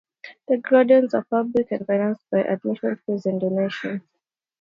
The gardens are public, and financed by admission fees and donations.